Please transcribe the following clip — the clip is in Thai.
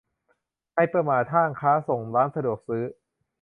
- ไฮเปอร์มาร์ต ห้างค้าส่ง ร้านสะดวกซื้อ